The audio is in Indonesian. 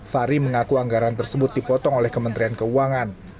fahri mengaku anggaran tersebut dipotong oleh kementerian keuangan